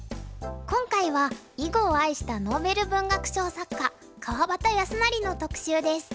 今回は「囲碁を愛したノーベル文学賞作家川端康成」の特集です。